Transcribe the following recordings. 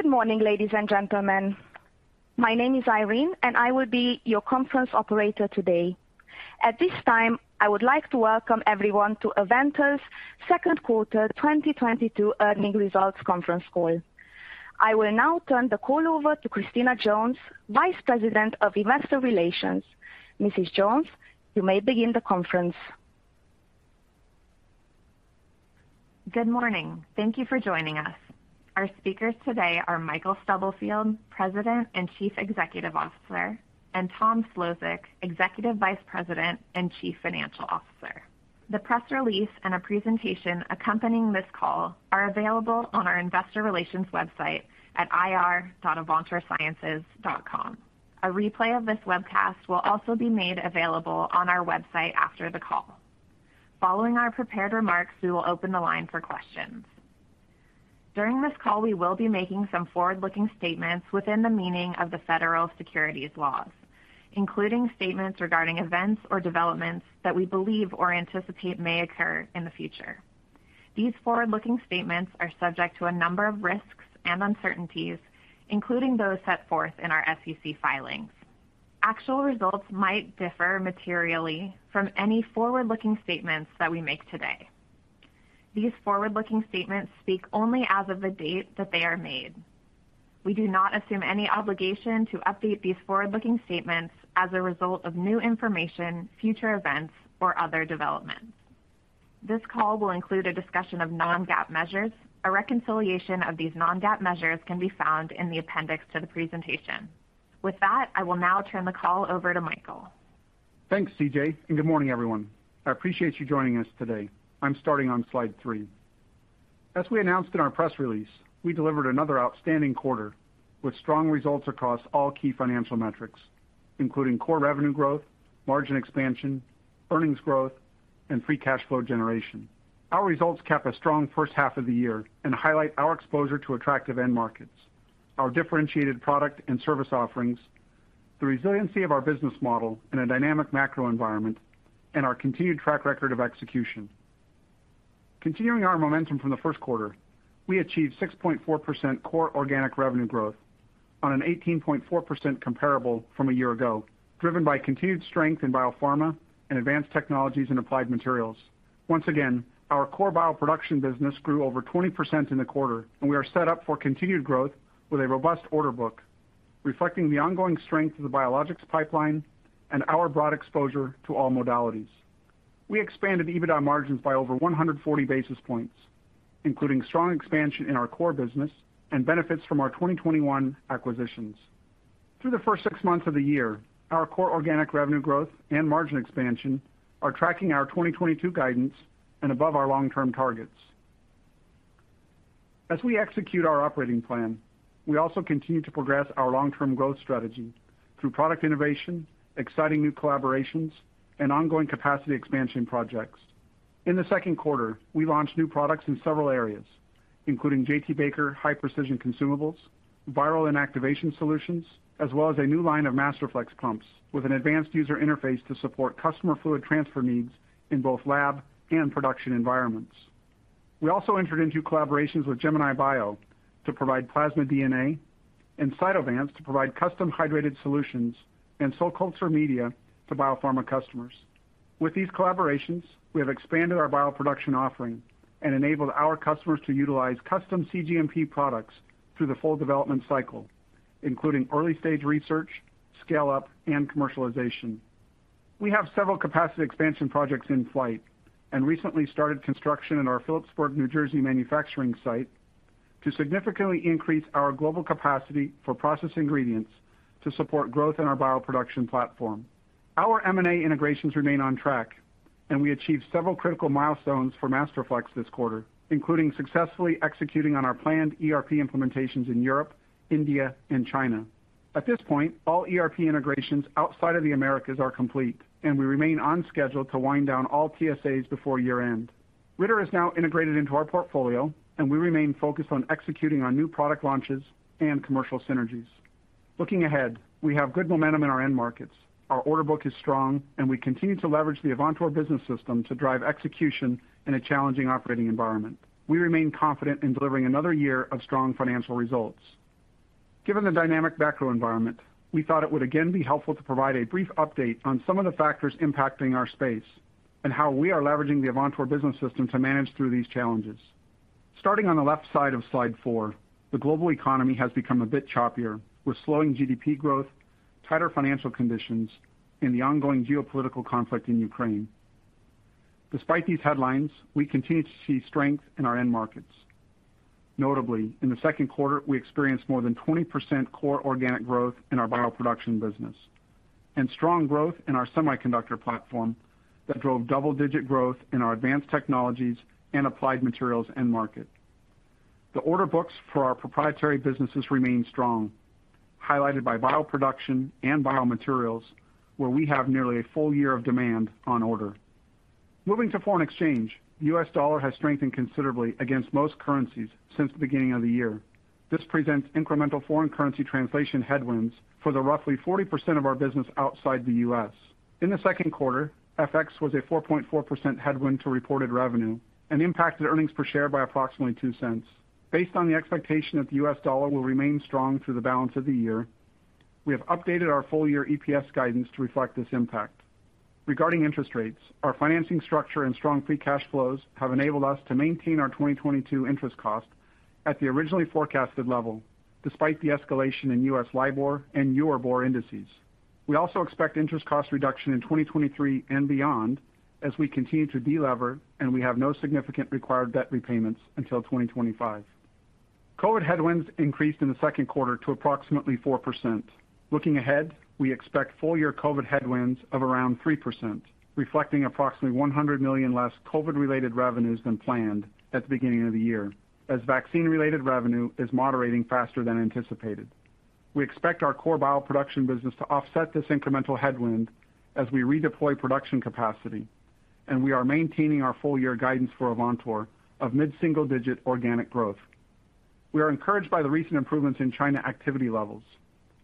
Good morning, ladies and gentlemen. My name is Irene, and I will be your conference operator today. At this time, I would like to welcome everyone to Avantor's second quarter 2022 earnings results conference call. I will now turn the call over to Christina Jones, Vice President of Investor Relations. Mrs. Jones, you may begin the conference. Good morning. Thank you for joining us. Our speakers today are Michael Stubblefield, President and Chief Executive Officer, and Thomas Szlosek, Executive Vice President and Chief Financial Officer. The press release and a presentation accompanying this call are available on our investor relations website at ir.avantorsciences.com. A replay of this webcast will also be made available on our website after the call. Following our prepared remarks, we will open the line for questions. During this call, we will be making some forward-looking statements within the meaning of the federal securities laws, including statements regarding events or developments that we believe or anticipate may occur in the future. These forward-looking statements are subject to a number of risks and uncertainties, including those set forth in our SEC filings. Actual results might differ materially from any forward-looking statements that we make today. These forward-looking statements speak only as of the date that they are made. We do not assume any obligation to update these forward-looking statements as a result of new information, future events, or other developments. This call will include a discussion of non-GAAP measures. A reconciliation of these non-GAAP measures can be found in the appendix to the presentation. With that, I will now turn the call over to Michael. Thanks, CJ, and good morning, everyone. I appreciate you joining us today. I'm starting on slide 3. As we announced in our press release, we delivered another outstanding quarter with strong results across all key financial metrics, including core revenue growth, margin expansion, earnings growth, and free cash flow generation. Our results cap a strong first half of the year and highlight our exposure to attractive end markets, our differentiated product and service offerings, the resiliency of our business model in a dynamic macro environment, and our continued track record of execution. Continuing our momentum from the first quarter, we achieved 6.4% core organic revenue growth on an 18.4% comparable from a year ago, driven by continued strength in biopharma and Advanced Technologies & Applied Materials. Once again, our core bioproduction business grew over 20% in the quarter, and we are set up for continued growth with a robust order book reflecting the ongoing strength of the biologics pipeline and our broad exposure to all modalities. We expanded EBITDA margins by over 140 basis points, including strong expansion in our core business and benefits from our 2021 acquisitions. Through the first six months of the year, our core organic revenue growth and margin expansion are tracking our 2022 guidance and above our long-term targets. As we execute our operating plan, we also continue to progress our long-term growth strategy through product innovation, exciting new collaborations, and ongoing capacity expansion projects. In the second quarter, we launched new products in several areas, including J.T.Baker high precision consumables, viral inactivation solutions, as well as a new line of Masterflex pumps with an advanced user interface to support customer fluid transfer needs in both lab and production environments. We also entered into collaborations with Gemini Bio to provide plasmid DNA and Cytovance to provide custom hydrated solutions and cell culture media to biopharma customers. With these collaborations, we have expanded our bioproduction offering and enabled our customers to utilize custom cGMP products through the full development cycle, including early-stage research, scale-up, and commercialization. We have several capacity expansion projects in flight and recently started construction in our Phillipsburg, New Jersey manufacturing site to significantly increase our global capacity for process ingredients to support growth in our bioproduction platform. Our M&A integrations remain on track, and we achieved several critical milestones for Masterflex this quarter, including successfully executing on our planned ERP implementations in Europe, India, and China. At this point, all ERP integrations outside of the Americas are complete, and we remain on schedule to wind down all PSAs before year-end. Ritter is now integrated into our portfolio, and we remain focused on executing our new product launches and commercial synergies. Looking ahead, we have good momentum in our end markets. Our order book is strong, and we continue to leverage the Avantor Business System to drive execution in a challenging operating environment. We remain confident in delivering another year of strong financial results. Given the dynamic macro environment, we thought it would again be helpful to provide a brief update on some of the factors impacting our space and how we are leveraging the Avantor Business System to manage through these challenges. Starting on the left side of Slide 4, the global economy has become a bit choppier, with slowing GDP growth, tighter financial conditions, and the ongoing geopolitical conflict in Ukraine. Despite these headlines, we continue to see strength in our end markets. Notably, in the second quarter, we experienced more than 20% core organic growth in our bioproduction business and strong growth in our semiconductor platform that drove double-digit growth in our Advanced Technologies & Applied Materials end market. The order books for our proprietary businesses remain strong, highlighted by bioproduction and biomaterials, where we have nearly a full year of demand on order. Moving to foreign exchange, the US dollar has strengthened considerably against most currencies since the beginning of the year. This presents incremental foreign currency translation headwinds for the roughly 40% of our business outside the US. In the second quarter, FX was a 4.4% headwind to reported revenue and impacted EPS by approximately $0.02. Based on the expectation that the US dollar will remain strong through the balance of the year. We have updated our full year EPS guidance to reflect this impact. Regarding interest rates, our financing structure and strong free cash flows have enabled us to maintain our 2022 interest cost at the originally forecasted level despite the escalation in US LIBOR and EURIBOR indic es. We also expect interest cost reduction in 2023 and beyond as we continue to de-lever and we have no significant required debt repayments until 2025. COVID headwinds increased in the second quarter to approximately 4%. Looking ahead, we expect full year COVID headwinds of around 3%, reflecting approximately $100 million less COVID-related revenues than planned at the beginning of the year, as vaccine-related revenue is moderating faster than anticipated. We expect our core bioproduction business to offset this incremental headwind as we redeploy production capacity, and we are maintaining our full year guidance for Avantor of mid-single digit organic growth. We are encouraged by the recent improvements in China activity levels.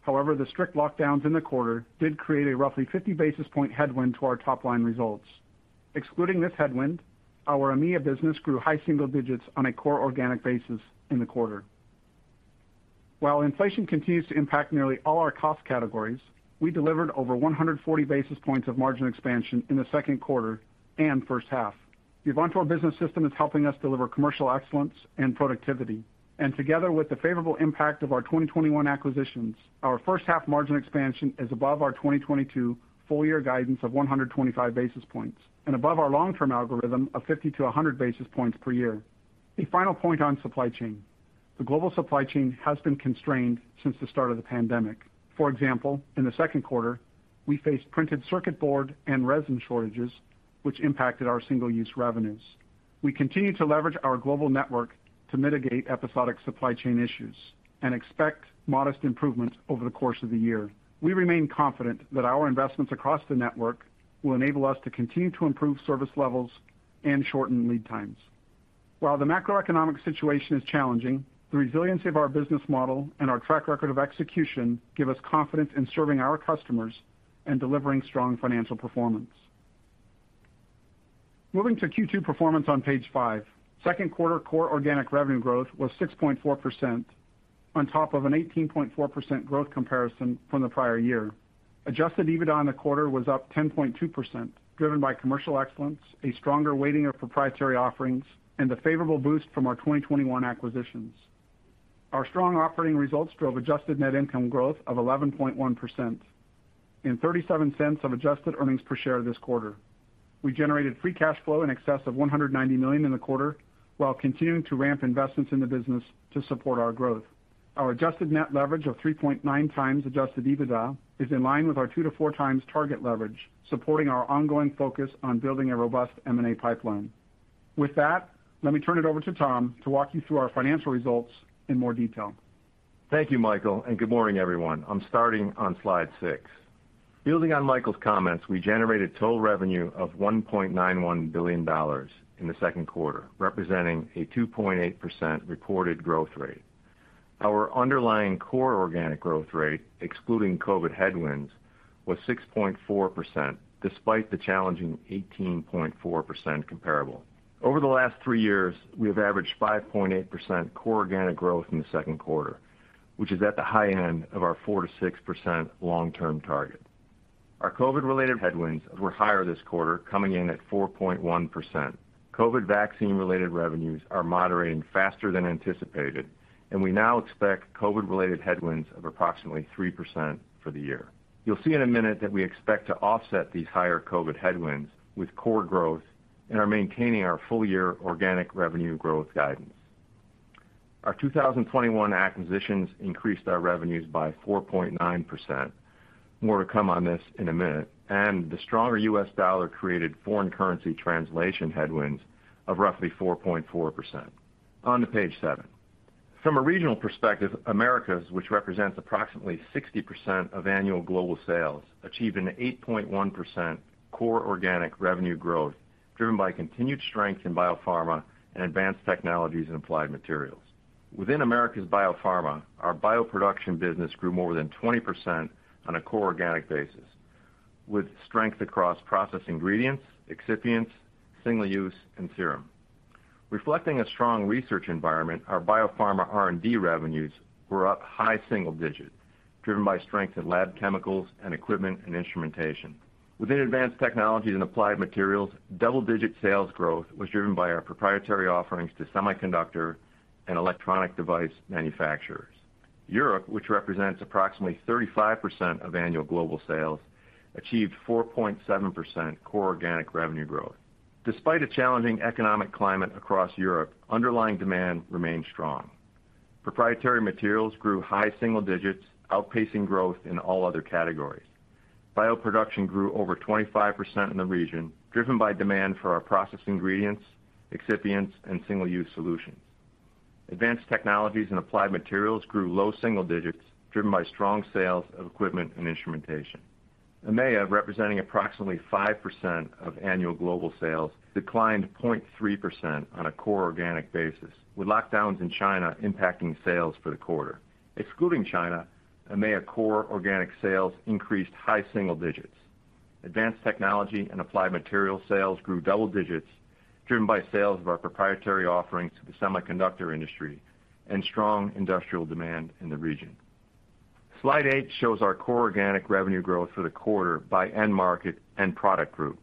However, the strict lockdowns in the quarter did create a roughly 50 basis points headwind to our top line results. Excluding this headwind, our EMEA business grew high single digits on a core organic basis in the quarter. While inflation continues to impact nearly all our cost categories, we delivered over 140 basis points of margin expansion in the second quarter and first half. The Avantor Business System is helping us deliver commercial excellence and productivity. Together with the favorable impact of our 2021 acquisitions, our first half margin expansion is above our 2022 full year guidance of 125 basis points and above our long-term algorithm of 50-100 basis points per year. A final point on supply chain. The global supply chain has been constrained since the start of the pandemic. For example, in the second quarter, we faced printed circuit board and resin shortages, which impacted our single-use revenues. We continue to leverage our global network to mitigate episodic supply chain issues and expect modest improvements over the course of the year. We remain confident that our investments across the network will enable us to continue to improve service levels and shorten lead times. While the macroeconomic situation is challenging, the resilience of our business model and our track record of execution give us confidence in serving our customers and delivering strong financial performance. Moving to Q2 performance on page five. Second quarter core organic revenue growth was 6.4% on top of an 18.4% growth comparison from the prior year. Adjusted EBITDA in the quarter was up 10.2%, driven by commercial excellence, a stronger weighting of proprietary offerings, and the favorable boost from our 2021 acquisitions. Our strong operating results drove adjusted net income growth of 11.1% and $0.37 of adjusted earnings per share this quarter. We generated free cash flow in excess of $190 million in the quarter while continuing to ramp investments in the business to support our growth. Our adjusted net leverage of 3.9x adjusted EBITDA is in line with our 2-4x target leverage, supporting our ongoing focus on building a robust M&A pipeline. With that, let me turn it over to Tom to walk you through our financial results in more detail. Thank you, Michael, and good morning, everyone. I'm starting on slide six. Building on Michael's comments, we generated total revenue of $1.91 billion in the second quarter, representing a 2.8% reported growth rate. Our underlying core organic growth rate, excluding COVID headwinds, was 6.4% despite the challenging 18.4% comparable. Over the last three years, we have averaged 5.8% core organic growth in the second quarter, which is at the high end of our 4%-6% long-term target. Our COVID-related headwinds were higher this quarter, coming in at 4.1%. COVID vaccine-related revenues are moderating faster than anticipated, and we now expect COVID-related headwinds of approximately 3% for the year. You'll see in a minute that we expect to offset these higher COVID headwinds with core growth and are maintaining our full year organic revenue growth guidance. Our 2021 acquisitions increased our revenues by 4.9%. More to come on this in a minute. The stronger US dollar created foreign currency translation headwinds of roughly 4.4%. On to page seven. From a regional perspective, Americas, which represents approximately 60% of annual global sales, achieved an 8.1% core organic revenue growth, driven by continued strength in biopharma and Advanced Technologies and Applied Materials. Within America's biopharma, our bioproduction business grew more than 20% on a core organic basis, with strength across process ingredients, excipients, single-use, and serum. Reflecting a strong research environment, our biopharma R&D revenues were up high single-digit, driven by strength in lab chemicals and equipment and instrumentation. Within Advanced Technologies & Applied Materials, double-digit sales growth was driven by our proprietary offerings to semiconductor and electronic device manufacturers. Europe, which represents approximately 35% of annual global sales, achieved 4.7% core organic revenue growth. Despite a challenging economic climate across Europe, underlying demand remained strong. Proprietary materials grew high single digits, outpacing growth in all other categories. Bioproduction grew over 25% in the region, driven by demand for our process ingredients, excipients, and single-use solutions. Advanced Technologies & Applied Materials grew low single digits, driven by strong sales of equipment and instrumentation. EMEA, representing approximately 5% of annual global sales, declined 0.3% on a core organic basis, with lockdowns in China impacting sales for the quarter. Excluding China, EMEA core organic sales increased high single digits. Advanced Technologies & Applied Materials sales grew double digits, driven by sales of our proprietary offerings to the semiconductor industry and strong industrial demand in the region. Slide 8 shows our core organic revenue growth for the quarter by end market and product group.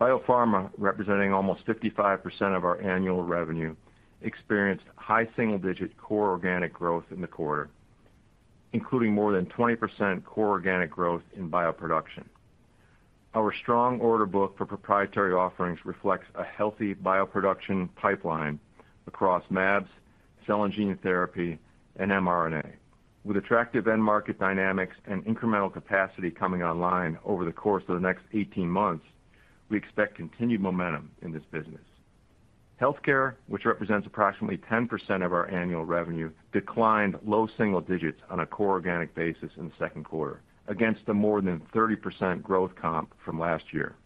Biopharma, representing almost 55% of our annual revenue, experienced high single-digit core organic growth in the quarter, including more than 20% core organic growth in bioproduction. Our strong order book for proprietary offerings reflects a healthy bioproduction pipeline across MAbs, cell and gene therapy, and mRNA. With attractive end market dynamics and incremental capacity coming online over the course of the next 18 months, we expect continued momentum in this business. Healthcare, which represents approximately 10% of our annual revenue, declined low single digits on a core organic basis in the second quarter against the more than 30% growth comp from last year.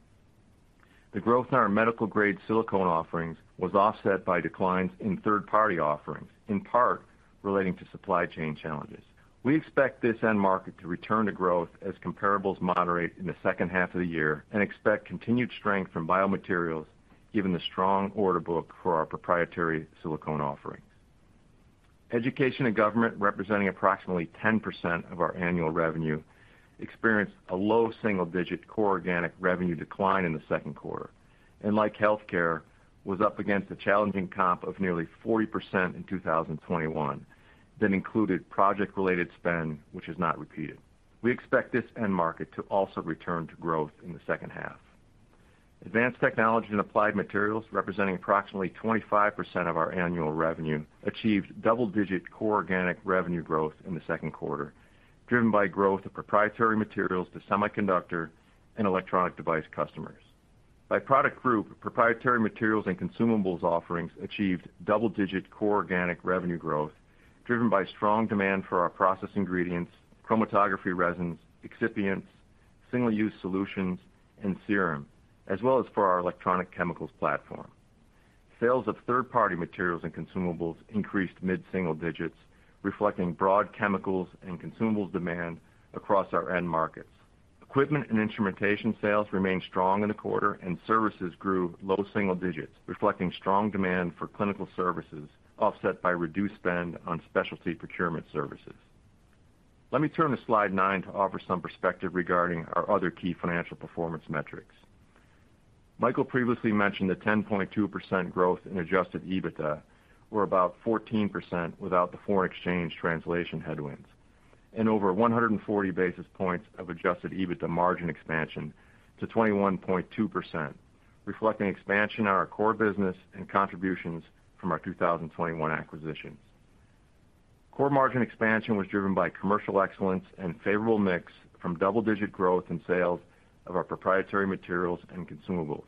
The growth in our medical-grade silicone offerings was offset by declines in third-party offerings, in part relating to supply chain challenges. We expect this end market to return to growth as comparables moderate in the second half of the year and expect continued strength from biomaterials given the strong order book for our proprietary silicone offerings. Education and government, representing approximately 10% of our annual revenue, experienced a low single-digit core organic revenue decline in the second quarter. Like healthcare, was up against a challenging comp of nearly 40% in 2021 that included project-related spend, which is not repeated. We expect this end market to also return to growth in the second half. Advanced Technologies & Applied Materials, representing approximately 25% of our annual revenue, achieved double-digit core organic revenue growth in the second quarter, driven by growth of proprietary materials to semiconductor and electronic device customers. By product group, proprietary materials and consumables offerings achieved double-digit core organic revenue growth, driven by strong demand for our process ingredients, chromatography resins, excipients, single-use solutions, and serum, as well as for our electronic chemicals platform. Sales of third-party materials and consumables increased mid-single digits, reflecting broad chemicals and consumables demand across our end markets. Equipment and instrumentation sales remained strong in the quarter, and services grew low single digits, reflecting strong demand for clinical services offset by reduced spend on specialty procurement services. Let me turn to slide 9 to offer some perspective regarding our other key financial performance metrics. Michael previously mentioned the 10.2% growth in adjusted EBITDA, or about 14% without the foreign exchange translation headwinds, and over 140 basis points of adjusted EBITDA margin expansion to 21.2%, reflecting expansion in our core business and contributions from our 2021 acquisitions. Core margin expansion was driven by commercial excellence and favorable mix from double-digit growth in sales of our proprietary materials and consumables.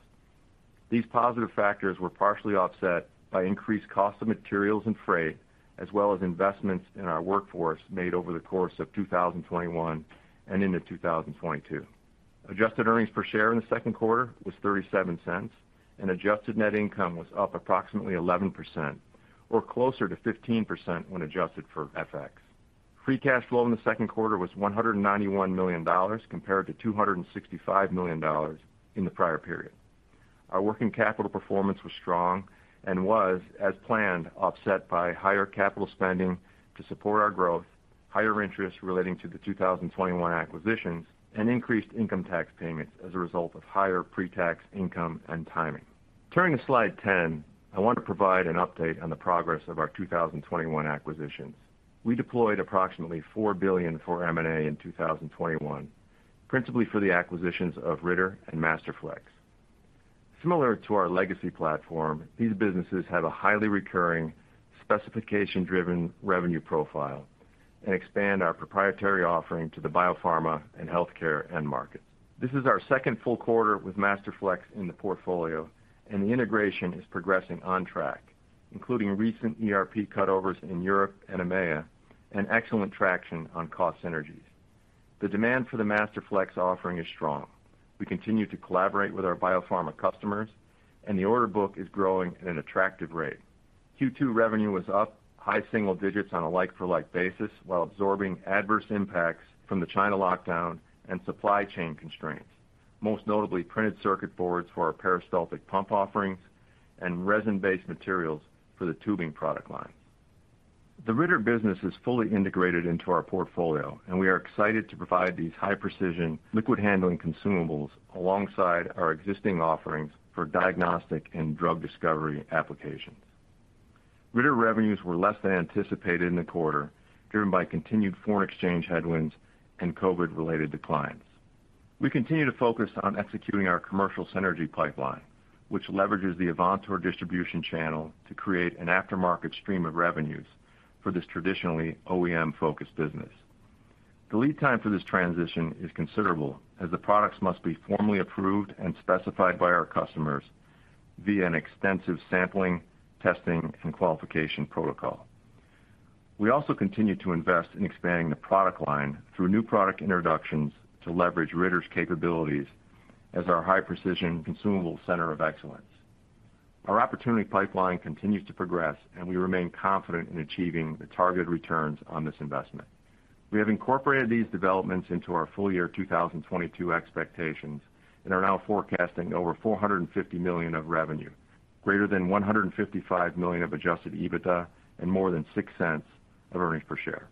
These positive factors were partially offset by increased cost of materials and freight, as well as investments in our workforce made over the course of 2021 and into 2022. Adjusted earnings per share in the second quarter was $0.37 and adjusted net income was up approximately 11% or closer to 15% when adjusted for FX. Free cash flow in the second quarter was $191 million compared to $265 million in the prior period. Our working capital performance was strong and was, as planned, offset by higher capital spending to support our growth, higher interest relating to the 2021 acquisitions, and increased income tax payments as a result of higher pre-tax income and timing. Turning to slide 10, I want to provide an update on the progress of our 2021 acquisitions. We deployed approximately $4 billion for M&A in 2021, principally for the acquisitions of Ritter and Masterflex. Similar to our legacy platform, these businesses have a highly recurring specification-driven revenue profile and expand our proprietary offering to the biopharma and healthcare end markets. This is our second full quarter with Masterflex in the portfolio, and the integration is progressing on track, including recent ERP cutovers in Europe and EMEA and excellent traction on cost synergies. The demand for the Masterflex offering is strong. We continue to collaborate with our biopharma customers, and the order book is growing at an attractive rate. Q2 revenue was up high single digits% on a like-for-like basis while absorbing adverse impacts from the China lockdown and supply chain constraints, most notably printed circuit boards for our peristaltic pump offerings and resin-based materials for the tubing product line. The Ritter business is fully integrated into our portfolio, and we are excited to provide these high-precision liquid handling consumables alongside our existing offerings for diagnostic and drug discovery applications. Ritter revenues were less than anticipated in the quarter, driven by continued foreign exchange headwinds and COVID-related declines. We continue to focus on executing our commercial synergy pipeline, which leverages the Avantor distribution channel to create an aftermarket stream of revenues for this traditionally OEM-focused business. The lead time for this transition is considerable, as the products must be formally approved and specified by our customers via an extensive sampling, testing, and qualification protocol. We also continue to invest in expanding the product line through new product introductions to leverage Ritter's capabilities as our high-precision consumable center of excellence. Our opportunity pipeline continues to progress, and we remain confident in achieving the targeted returns on this investment. We have incorporated these developments into our full year 2022 expectations and are now forecasting over $450 million of revenue, greater than $155 million of adjusted EBITDA, and more than $0.06 of earnings per share.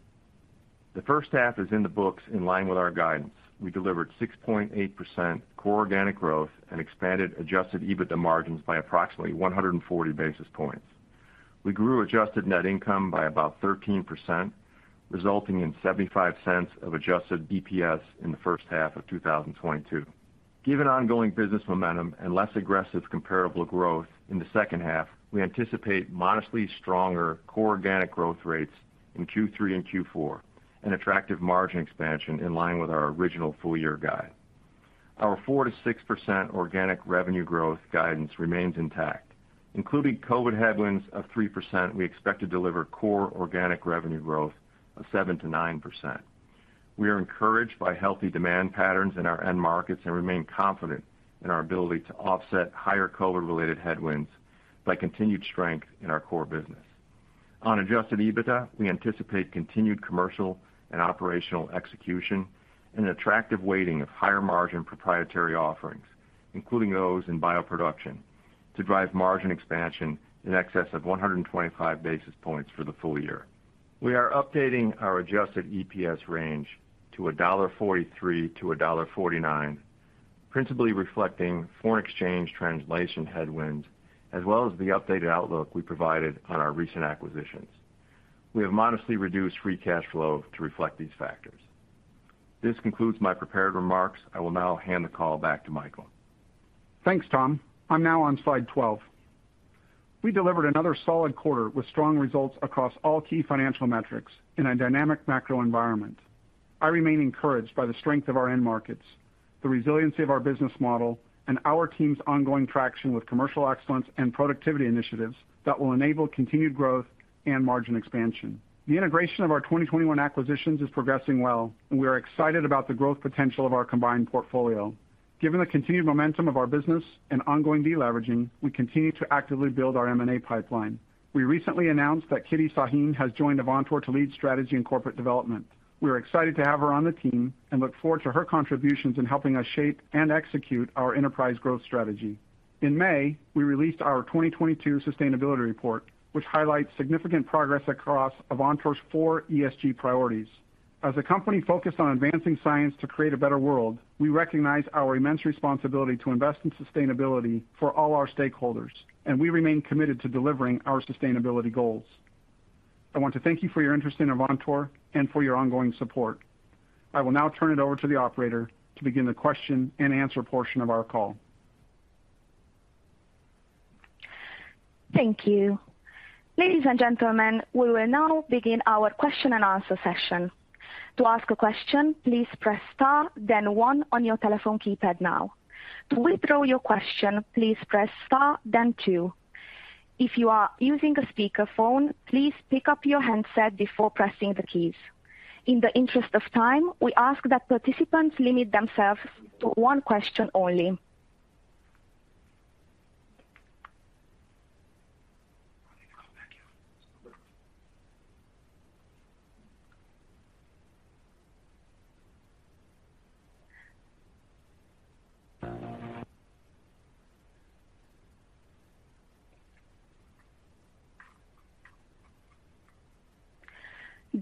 The first half is in the books in line with our guidance. We delivered 6.8% core organic growth and expanded adjusted EBITDA margins by approximately 140 basis points. We grew adjusted net income by about 13%, resulting in $0.75 of adjusted DPS in the first half of 2022. Given ongoing business momentum and less aggressive comparable growth in the second half, we anticipate modestly stronger core organic growth rates in Q3 and Q4 and attractive margin expansion in line with our original full year guide. Our 4%-6% organic revenue growth guidance remains intact. Including COVID headwinds of 3%, we expect to deliver core organic revenue growth of 7%-9%. We are encouraged by healthy demand patterns in our end markets and remain confident in our ability to offset higher COVID-related headwinds by continued strength in our core business. On adjusted EBITDA, we anticipate continued commercial and operational execution and an attractive weighting of higher margin proprietary offerings, including those in bioproduction, to drive margin expansion in excess of 125 basis points for the full year. We are updating our adjusted EPS range to $1.43-$1.49, principally reflecting foreign exchange translation headwinds as well as the updated outlook we provided on our recent acquisitions. We have modestly reduced free cash flow to reflect these factors. This concludes my prepared remarks. I will now hand the call back to Michael. Thanks, Tom. I'm now on slide 12. We delivered another solid quarter with strong results across all key financial metrics in a dynamic macro environment. I remain encouraged by the strength of our end markets, the resiliency of our business model, and our team's ongoing traction with commercial excellence and productivity initiatives that will enable continued growth and margin expansion. The integration of our 2021 acquisitions is progressing well, and we are excited about the growth potential of our combined portfolio. Given the continued momentum of our business and ongoing deleveraging, we continue to actively build our M&A pipeline. We recently announced that Kitty Sahin has joined Avantor to lead strategy and corporate development. We are excited to have her on the team and look forward to her contributions in helping us shape and execute our enterprise growth strategy. In May, we released our 2022 sustainability report, which highlights significant progress across Avantor's four ESG priorities. As a company focused on advancing science to create a better world, we recognize our immense responsibility to invest in sustainability for all our stakeholders, and we remain committed to delivering our sustainability goals. I want to thank you for your interest in Avantor and for your ongoing support. I will now turn it over to the operator to begin the question-and-answer portion of our call. Thank you. Ladies and gentlemen, we will now begin our question-and-answer session. To ask a question, please press star then one on your telephone keypad now. To withdraw your question, please press star then two. If you are using a speakerphone, please pick up your handset before pressing the keys. In the interest of time, we ask that participants limit themselves to one question only.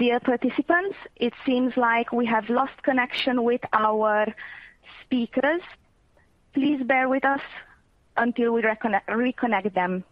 Dear participants, it seems like we have lost connection with our speakers. Please bear with us until we reconnect them.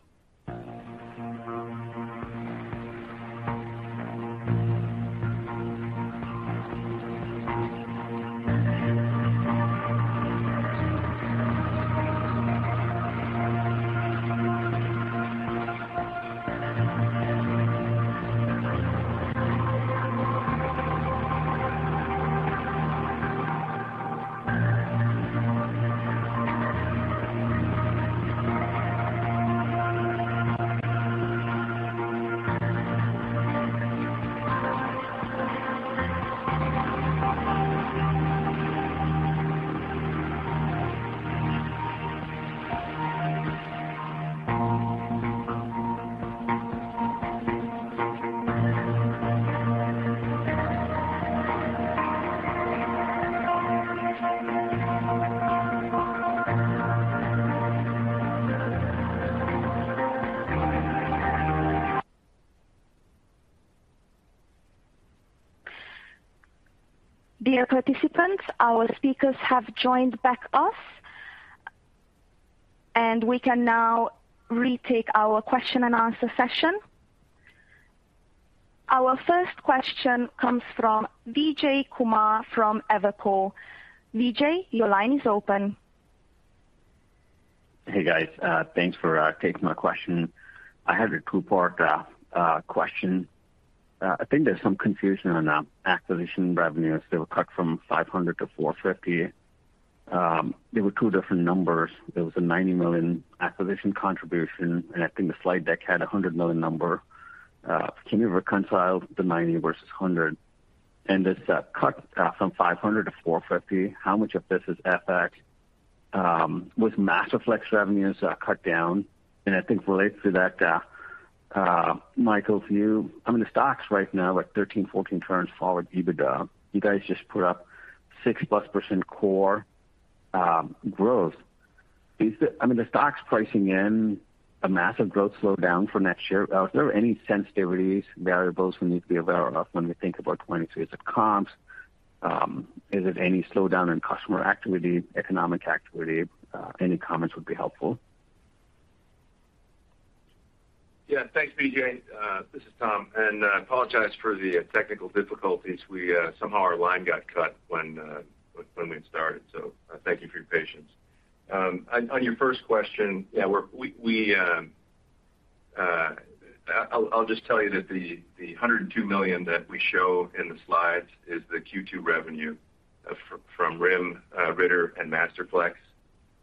Dear participants, our speakers have joined us back, and we can now retake our question-and-answer session. Our first question comes from Vijay Kumar from Evercore. Vijay, your line is open. Hey, guys. Thanks for taking my question. I have a two-part question. I think there's some confusion on acquisition revenues. They were cut from $500 million to $450 million. There were two different numbers. There was a $90 million acquisition contribution, and I think the slide deck had a $100 million number. Can you reconcile the 90 versus 100? This cut from $500 million to $450 million, how much of this is FX? With Masterflex revenues cut down, and I think related to that, Michael's view, I mean, the stock's right now, like 13-14x forward EBITDA. You guys just put up 6%+ core growth. Is the—I mean, the stock's pricing in a massive growth slowdown from next year. Is there any sensitivities, variables we need to be aware of when we think about 2023? Is it comps? Is it any slowdown in customer activity, economic activity? Any comments would be helpful. Yeah. Thanks, Vijay. This is Tom, and I apologize for the technical difficulties. Somehow our line got cut when we started. Thank you for your patience. On your first question, yeah, I'll just tell you that the $102 million that we show in the slides is the Q2 revenue from RIM, Ritter, and Masterflex.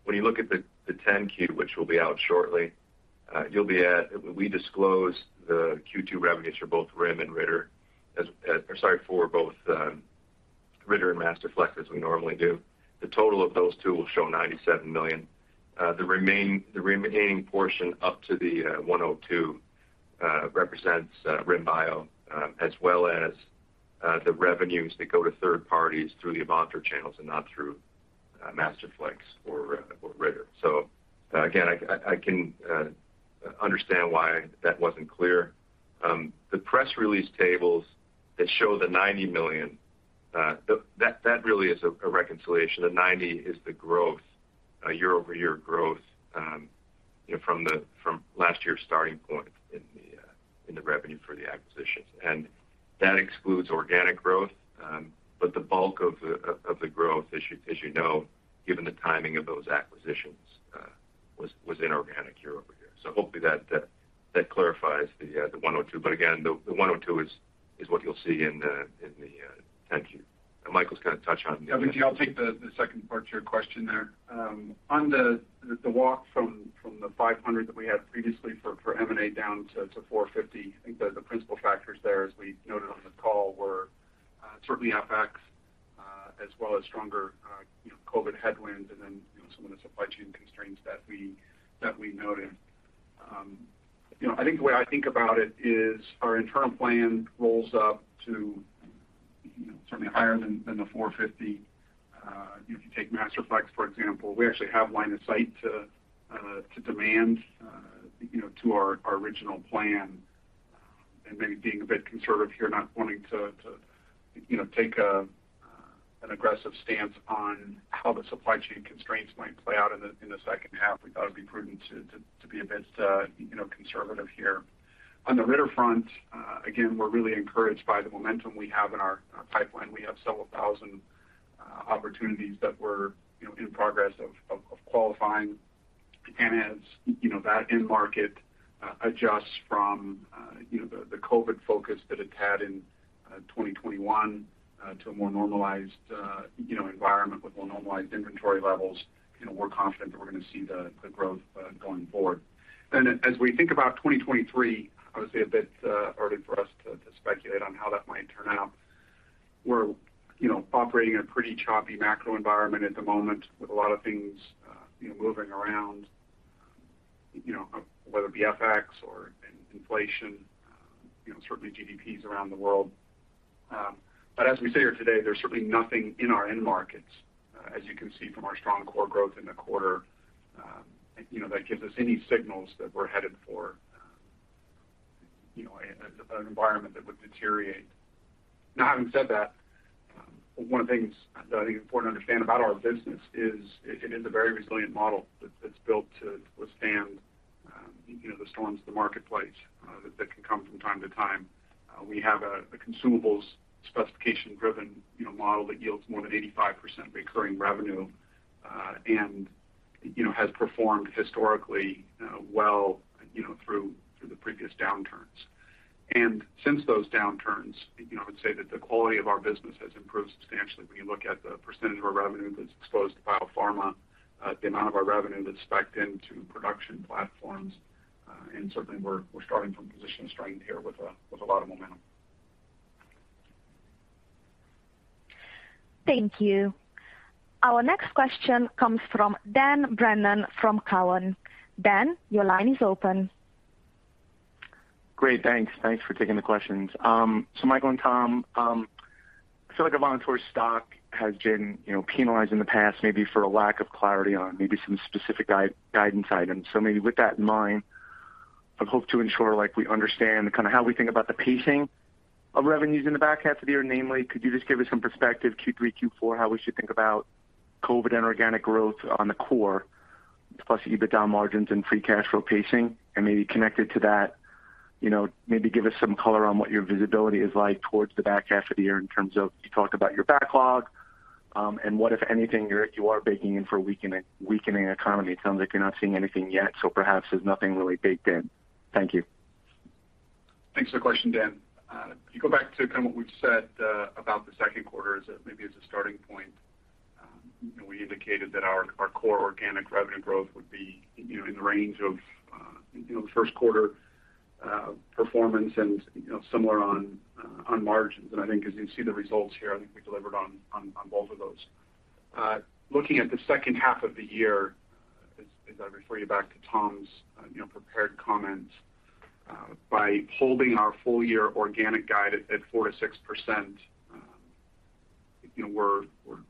When you look at the 10-Q, which will be out shortly, we disclose the Q2 revenues for both RIM and Ritter, or sorry, for both Ritter and Masterflex as we normally do. The total of those two will show $97 million. The remaining portion up to the $102 represents RIM Bio, as well as the revenues that go to third parties through the Avantor channels and not through Masterflex or Ritter. Again, I can understand why that wasn't clear. The press release tables that show the $90 million, that really is a reconciliation. The 90 is the growth, year-over-year growth, you know, from last year's starting point in the revenue for the acquisitions. That excludes organic growth, but the bulk of the growth, as you know, given the timing of those acquisitions, was inorganic year-over-year. Hopefully that clarifies the $102. again, the 102 is what you'll see in the 10-Q. Michael's gonna touch on- Yeah, Vijay, I'll take the second part to your question there. On the walk from the $500 that we had previously for M&A down to $450, I think the principal factors there, as we noted on the call, were certainly FX, as well as stronger, you know, COVID headwinds and then, you know, some of the supply chain constraints that we noted. You know, I think the way I think about it is our interim plan rolls up to, you know, certainly higher than the $450. If you take Masterflex, for example, we actually have line of sight to demand, you know, to our original plan. Maybe being a bit conservative here, not wanting to you know take an aggressive stance on how the supply chain constraints might play out in the second half. We thought it'd be prudent to be a bit you know conservative here. On the Ritter front, again, we're really encouraged by the momentum we have in our pipeline. We have several thousand opportunities that we're you know in progress of qualifying. As you know, that end market adjusts from you know the COVID focus that it's had in 2021 to a more normalized you know environment with more normalized inventory levels, you know, we're confident that we're gonna see the growth going forward. As we think about 2023, obviously a bit early for us to speculate on how that might turn out. We're you know operating in a pretty choppy macro environment at the moment with a lot of things you know moving around you know whether it be FX or inflation you know certainly GDPs around the world. But as we sit here today, there's certainly nothing in our end markets as you can see from our strong core growth in the quarter you know that gives us any signals that we're headed for you know an environment that would deteriorate. Now, having said that, one of the things that I think is important to understand about our business is it is a very resilient model that's built to withstand, you know, the storms of the marketplace that can come from time to time. We have a consumables specification-driven, you know, model that yields more than 85% recurring revenue, and, you know, has performed historically, well, you know, through the previous downturns. Since those downturns, you know, I would say that the quality of our business has improved substantially when you look at the percentage of our revenue that's exposed to biopharma, the amount of our revenue that's spiked into production platforms. Certainly we're starting from a position of strength here with a lot of momentum. Thank you. Our next question comes from Dan Brennan from Cowen. Dan, your line is open. Great. Thanks. Thanks for taking the questions. Michael and Tom, I feel like Avantor stock has been, you know, penalized in the past maybe for a lack of clarity on maybe some specific guidance items. Maybe with that in mind, I'd hope to ensure, like, we understand kind of how we think about the pacing of revenues in the back half of the year. Namely, could you just give us some perspective, Q3, Q4, how we should think about COVID and organic growth on the core, plus EBITDA margins and free cash flow pacing? Maybe connected to that, you know, maybe give us some color on what your visibility is like towards the back half of the year in terms of your backlog and what, if anything, you're baking in for a weakening economy. It sounds like you're not seeing anything yet, so perhaps there's nothing really baked in. Thank you. Thanks for the question, Dan. If you go back to kind of what we've said about the second quarter as a starting point. We indicated that our core organic revenue growth would be, you know, in the range of the first quarter performance and, you know, similar on margins. I think as you see the results here, I think we delivered on both of those. Looking at the second half of the year, as I refer you back to Tom's prepared comments, by holding our full year organic guide at 4%-6%, you know,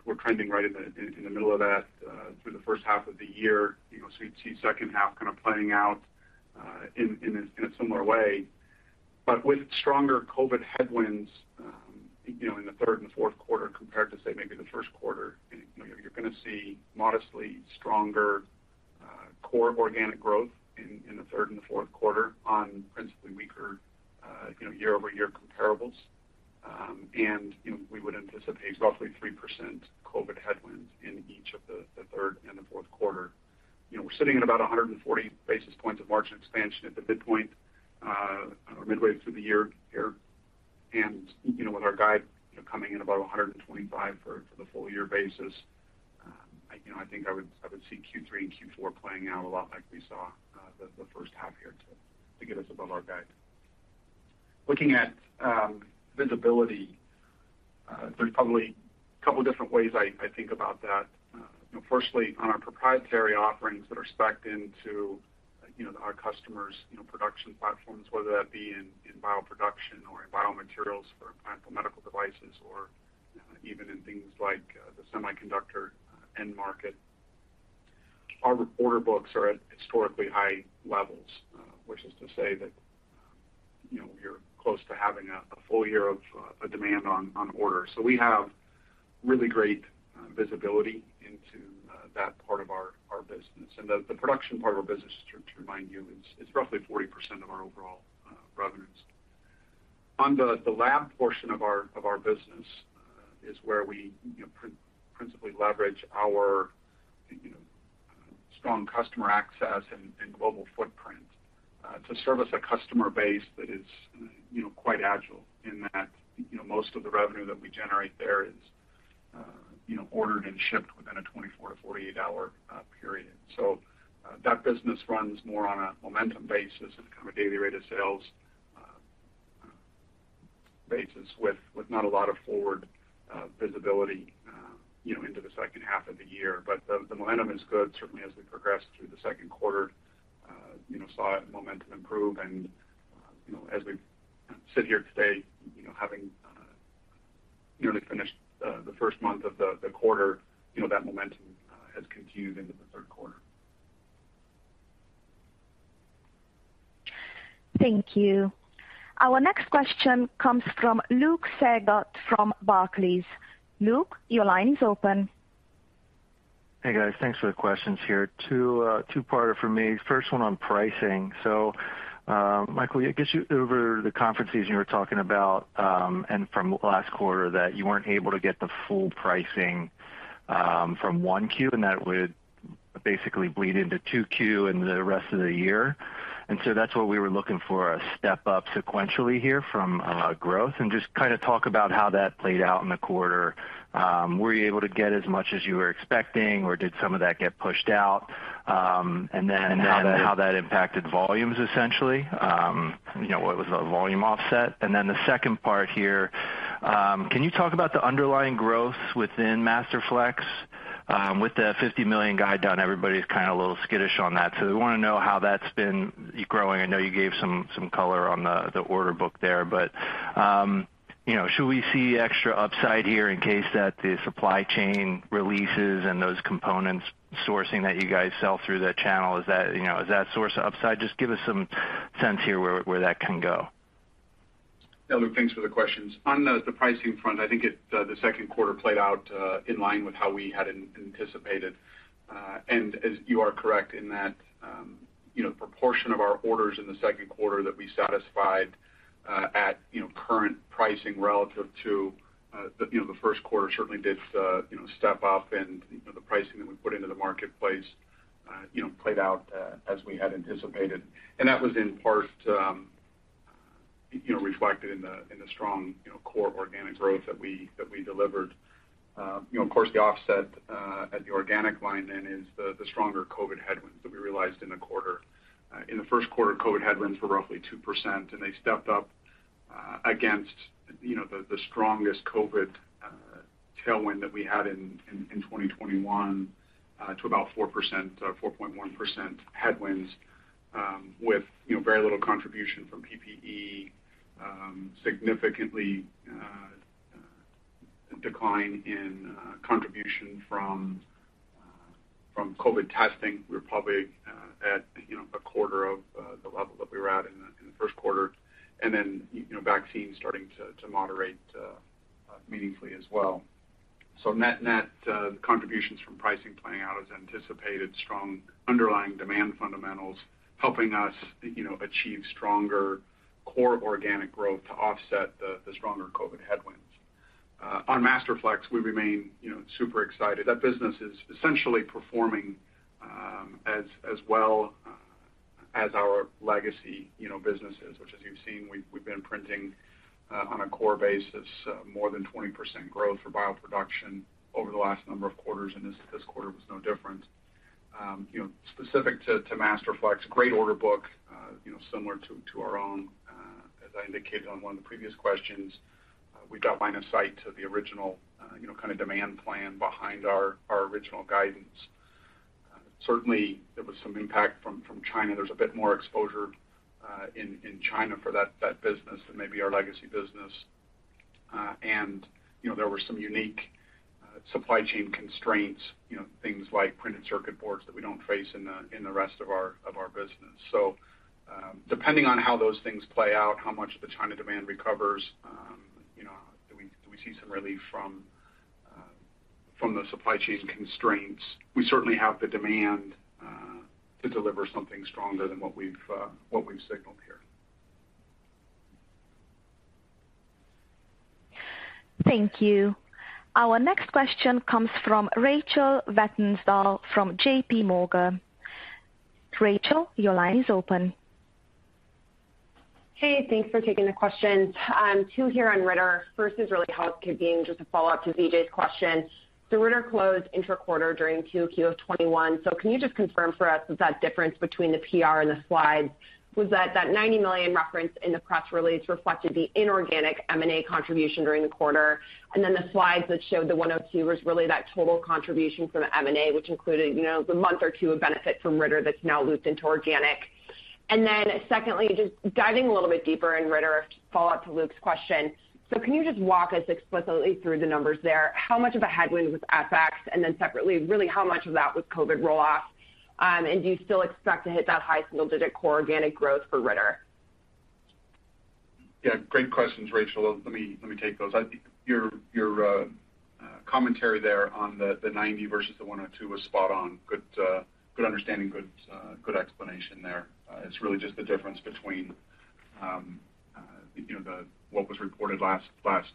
we're trending right in the middle of that through the first half of the year. You know, you see second half kind of playing out in a similar way. With stronger COVID headwinds, you know, in the third and fourth quarter compared to, say, maybe the first quarter, you know, you're gonna see modestly stronger core organic growth in the third and fourth quarter on principally weaker, you know, year-over-year comparables. You know, we would anticipate roughly 3% COVID headwinds in each of the third and the fourth quarter. You know, we're sitting at about 140 basis points of margin expansion at the midpoint or midway through the year here.R You know, with our guide coming in about $125 for the full year basis, I think I would see Q3 and Q4 playing out a lot like we saw the first half here to get us above our guide. Looking at visibility, there's probably a couple different ways I think about that. You know, firstly, on our proprietary offerings that are specced into our customers' production platforms, whether that be in bioproduction or in biomaterials for implantable medical devices or, you know, even in things like the semiconductor end market. Our order books are at historically high levels, which is to say that, you know, we're close to having a full year of a demand on order. We have really great visibility into that part of our business. The production part of our business, to remind you, is roughly 40% of our overall revenues. On the lab portion of our business is where we, you know, principally leverage our, you know, strong customer access and global footprint to service a customer base that is, you know, quite agile in that, you know, most of the revenue that we generate there is, you know, ordered and shipped within a 24- to 48-hour period. That business runs more on a momentum basis and kind of a daily rate of sales basis with not a lot of forward visibility, you know, into the second half of the year. The momentum is good. Certainly as we progress through the second quarter, you know, saw momentum improve. As we sit here today, you know, having nearly finished the first month of the quarter, you know, that momentum has continued into the third quarter. Thank you. Our next question comes from Luke Sergott from Barclays. Luke, your line is open. Hey, guys. Thanks for the questions here. Two-parter for me. First one on pricing. Michael, I guess you over the conference season you were talking about, and from last quarter that you weren't able to get the full pricing from 1Q, and that would basically bleed into 2Q and the rest of the year. That's what we were looking for, a step up sequentially here from growth. Just kind of talk about how that played out in the quarter. Were you able to get as much as you were expecting, or did some of that get pushed out? And then how that impacted volumes essentially. You know, was it a volume offset? Then the second part here, can you talk about the underlying growth within Masterflex? With the $50 million guide down, everybody's kind of a little skittish on that. We wanna know how that's been growing. I know you gave some color on the order book there, but you know, should we see extra upside here in case that the supply chain releases and those components sourcing that you guys sell through that channel? Is that, you know, source of upside? Just give us some sense here where that can go. Yeah. Luke, thanks for the questions. On the pricing front, I think the second quarter played out in line with how we had anticipated. As you are correct in that, you know, proportion of our orders in the second quarter that we satisfied at, you know, current pricing relative to the first quarter certainly did, you know, step up and, you know, the pricing that we put into the marketplace, you know, played out as we had anticipated. That was in part, you know, reflected in the strong, you know, core organic growth that we delivered. You know, of course, the offset at the organic line then is the stronger COVID headwinds that we realized in the quarter. In the first quarter, COVID headwinds were roughly 2%, and they stepped up against the strongest COVID tailwind that we had in 2021 to about 4%, 4.1% headwinds, with very little contribution from PPE, significant decline in contribution from COVID testing. We're probably at a quarter of the level that we were at in the first quarter. You know, vaccines starting to moderate meaningfully as well. Net-net, contributions from pricing playing out as anticipated. Strong underlying demand fundamentals helping us achieve stronger core organic growth to offset the stronger COVID headwinds. On Masterflex, we remain super excited. That business is essentially performing as well as our legacy, you know, businesses, which as you've seen, we've been printing on a core basis more than 20% growth for bioproduction over the last number of quarters, and this quarter was no different. You know, specific to Masterflex, great order book, you know, similar to our own. As I indicated on one of the previous questions, we've got line of sight to the original, you know, kind of demand plan behind our original guidance. Certainly there was some impact from China. There's a bit more exposure in China for that business than maybe our legacy business. You know, there were some unique supply chain constraints, you know, things like printed circuit boards that we don't face in the rest of our business. Depending on how those things play out, how much of the China demand recovers, you know, do we see some relief from the supply chain constraints? We certainly have the demand to deliver something stronger than what we've signaled here. Thank you. Our next question comes from Rachel Vatnsdal from JPMorgan. Rachel, your line is open. Hey, thanks for taking the questions. Two here on Ritter. First is really housekeeping, just a follow-up to Vijay's question. Ritter closed intra-quarter during 2Q of 2021. Can you just confirm for us that that difference between the PR and the slides was that that $90 million referenced in the press release reflected the inorganic M&A contribution during the quarter. The slides that showed the $102 million was really that total contribution from M&A, which included, you know, the month or two of benefit from Ritter that's now looped into organic. Secondly, just diving a little bit deeper in Ritter, follow-up to Luke's question. Can you just walk us explicitly through the numbers there? How much of a headwind was FX? Separately, really how much of that was COVID roll-off? Do you still expect to hit that high single-digit core organic growth for Ritter? Yeah, great questions, Rachel. Let me take those. I think your commentary there on the 90 versus the 102 was spot on. Good understanding. Good explanation there. It's really just the difference between, you know, what was reported last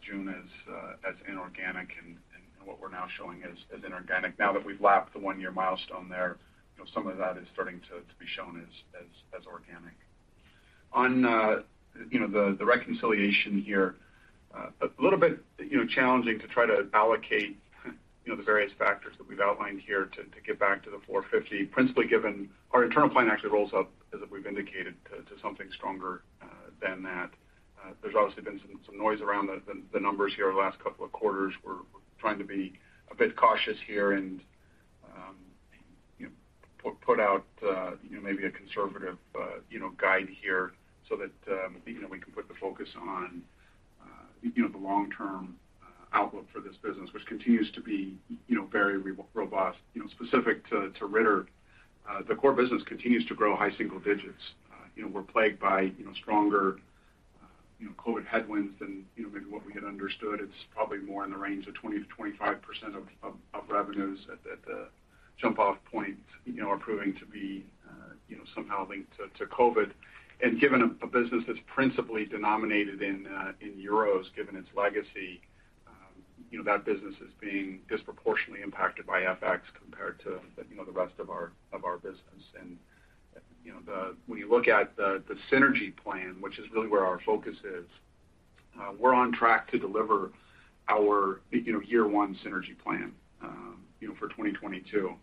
June as inorganic and what we're now showing as inorganic. Now that we've lapped the one-year milestone there, you know, some of that is starting to be shown as organic. In, you know, the reconciliation here, a little bit, you know, challenging to try to allocate, you know, the various factors that we've outlined here to get back to the $450, principally given our internal plan actually rolls up as if we've indicated to something stronger than that. There's obviously been some noise around the numbers here the last couple of quarters. We're trying to be a bit cautious here and you know, put out you know, maybe a conservative you know, guide here so that you know, we can put the focus on you know, the long-term outlook for this business, which continues to be you know, very robust. You know, specific to Ritter, the core business continues to grow high single digits. You know, we're plagued by stronger COVID headwinds than maybe what we had understood. It's probably more in the range of 20%-25% of revenues at the jump off point, you know, are proving to be somehow linked to COVID. Given a business that's principally denominated in euros, given its legacy, you know, that business is being disproportionately impacted by FX compared to the rest of our business. When you look at the synergy plan, which is really where our focus is, we're on track to deliver our year one synergy plan for 2022.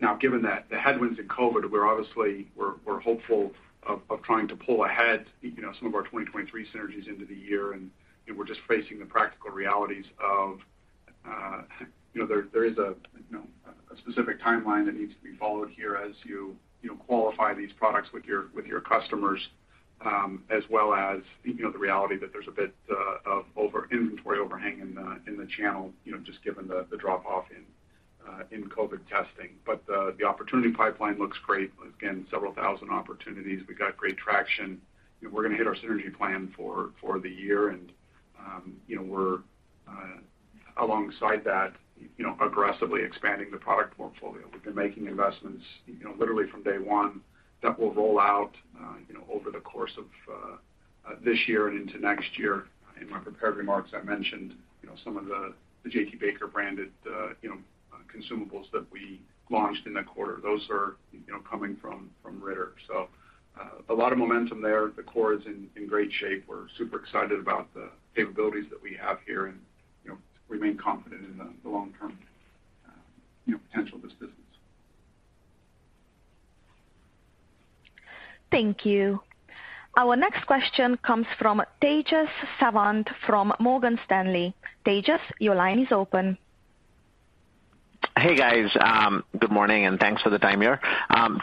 Now given that the headwinds in COVID, we're obviously hopeful of trying to pull ahead, you know, some of our 2023 synergies into the year. You know, we're just facing the practical realities of, you know, there is a specific timeline that needs to be followed here as you know, qualify these products with your customers, as well as, you know, the reality that there's a bit of over inventory overhang in the channel, you know, just given the drop-off in COVID testing. The opportunity pipeline looks great. Again, several thousand opportunities. We got great traction, and we're gonna hit our synergy plan for the year. You know, we're alongside that, you know, aggressively expanding the product portfolio. We've been making investments, you know, literally from day one that will roll out, you know, over the course of this year and into next year. In my prepared remarks, I mentioned, you know, some of the J.T. Baker branded, you know, consumables that we launched in that quarter. Those are, you know, coming from Ritter. A lot of momentum there. The core is in great shape. We're super excited about the capabilities that we have here and, you know, remain confident in the long-term, you know, potential of this business. Thank you. Our next question comes from Tejas Savant from Morgan Stanley. Tejas, your line is open. Hey, guys. Good morning, and thanks for the time here.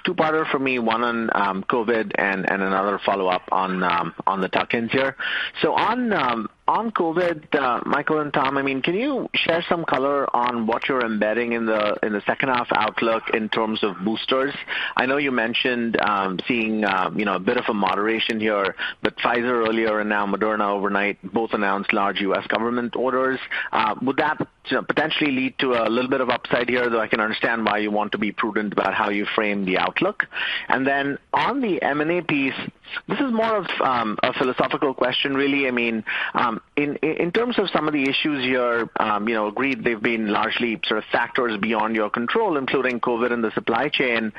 Two-parter for me, one on COVID and another follow-up on the tuck-ins here. On COVID, Michael and Tom, I mean, can you share some color on what you're embedding in the second half outlook in terms of boosters? I know you mentioned seeing you know, a bit of a moderation here, but Pfizer earlier and now Moderna overnight both announced large U.S. government orders. Would that potentially lead to a little bit of upside here, though I can understand why you want to be prudent about how you frame the outlook. Then on the M&A piece. This is more of a philosophical question really. I mean, in terms of some of the issues you've agreed they've been largely sort of factors beyond your control, including COVID and the supply chain.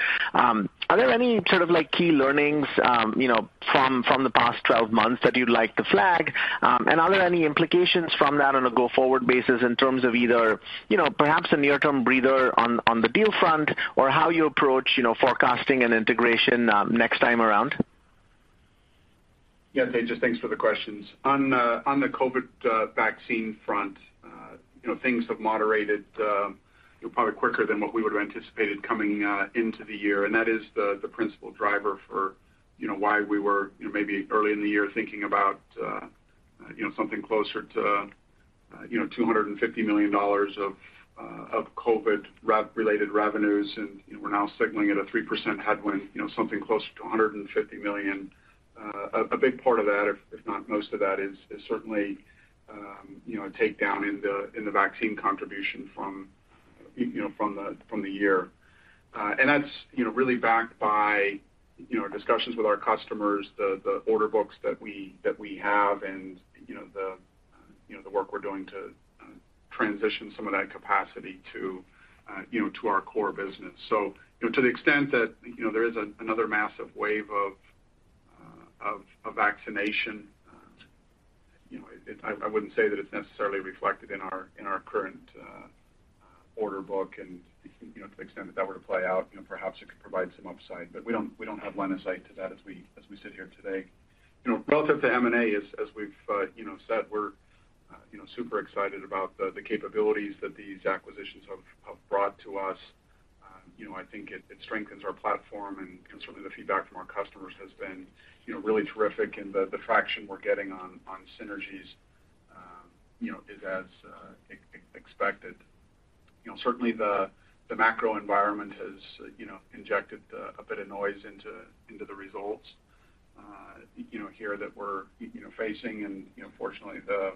Are there any sort of like key learnings, you know, from the past twelve months that you'd like to flag? Are there any implications from that on a go-forward basis in terms of either, you know, perhaps a near-term breather on the deal front or how you approach, you know, forecasting and integration next time around? Yeah, Tejas, thanks for the questions. On the COVID vaccine front, you know, things have moderated probably quicker than what we would have anticipated coming into the year. That is the principal driver for, you know, why we were, you know, maybe early in the year thinking about, you know, something closer to, you know, $250 million of COVID rev-related revenues, and we're now signaling at a 3% headwind, you know, something closer to $150 million. A big part of that, if not most of that is certainly, you know, take down in the vaccine contribution from the year. That's, you know, really backed by, you know, discussions with our customers, the order books that we have and, you know, the work we're doing to transition some of that capacity to our core business. To the extent that, you know, there is another massive wave of a vaccination, you know, I wouldn't say that it's necessarily reflected in our current order book and, you know, to the extent that that were to play out, you know, perhaps it could provide some upside. But we don't have line of sight to that as we sit here today. You know, relative to M&A, as we've you know said, we're you know super excited about the capabilities that these acquisitions have brought to us. You know, I think it strengthens our platform and certainly the feedback from our customers has been you know really terrific and the traction we're getting on synergies you know is as expected. You know, certainly the macro environment has you know injected a bit of noise into the results you know here that we're you know facing. You know, fortunately the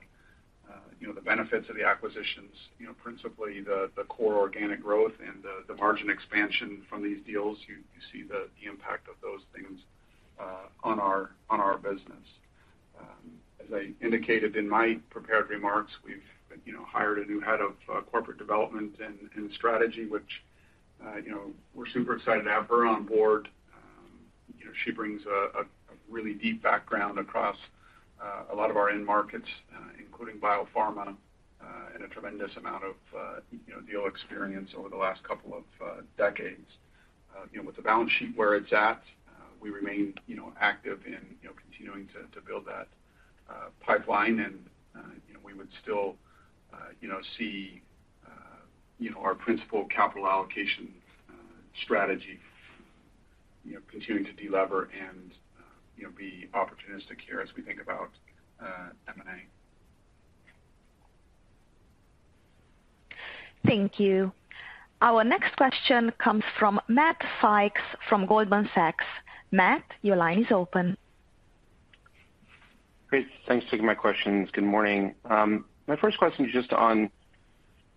benefits of the acquisitions you know principally the core organic growth and the margin expansion from these deals, you see the impact of those things on our business. As I indicated in my prepared remarks, we've, you know, hired a new head of corporate development and strategy, which, you know, we're super excited to have her on board. You know, she brings a really deep background across a lot of our end markets, including biopharma, and a tremendous amount of, you know, deal experience over the last couple of decades. You know, with the balance sheet where it's at, we remain, you know, active in continuing to build that pipeline. We would still, you know, see our principal capital allocation strategy, you know, continuing to delever and, you know, be opportunistic here as we think about M&A. Thank you. Our next question comes from Matthew Sykes from Goldman Sachs. Matt, your line is open. Great. Thanks for taking my questions. Good morning. My first question is just on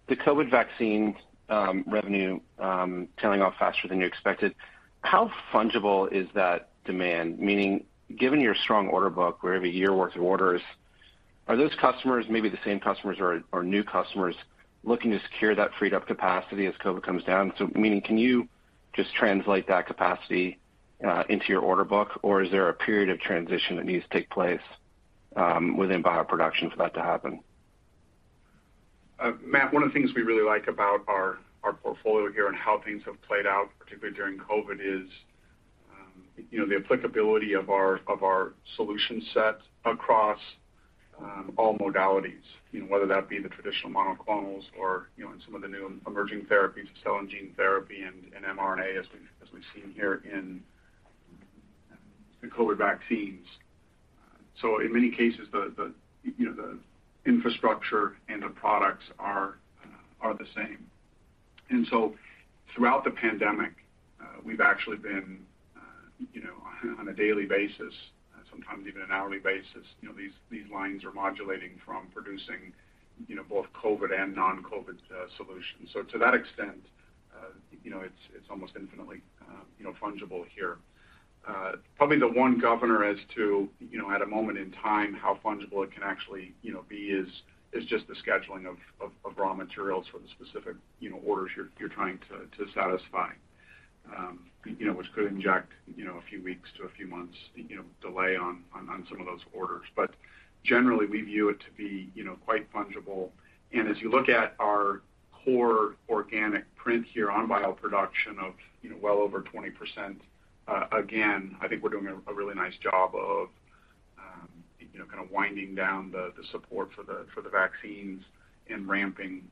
the COVID vaccine revenue tailing off faster than you expected. How fungible is that demand? Meaning, given your strong order book where every year worth of orders, are those customers maybe the same customers or new customers looking to secure that freed up capacity as COVID comes down? Meaning, can you just translate that capacity into your order book, or is there a period of transition that needs to take place within bioproduction for that to happen? Matthew Sykes, one of the things we really like about our portfolio here and how things have played out, particularly during COVID, is the applicability of our solution set across all modalities, you know, whether that be the traditional monoclonals or, you know, in some of the new emerging therapies, cell and gene therapy and mRNA as we've seen here in the COVID vaccines. In many cases the infrastructure and the products are the same. Throughout the pandemic, we've actually been on a daily basis, sometimes even an hourly basis, you know, these lines are modulating from producing both COVID and non-COVID solutions. To that extent, it's almost infinitely fungible here. Probably the one governor as to, you know, at a moment in time, how fungible it can actually, you know, be is just the scheduling of raw materials for the specific, you know, orders you're trying to satisfy. You know, which could inject, you know, a few weeks to a few months, you know, delay on some of those orders. Generally, we view it to be, you know, quite fungible. As you look at our core organic growth here on bioproduction of, you know, well over 20%, again, I think we're doing a really nice job of, you know, kind of winding down the support for the vaccines and ramping,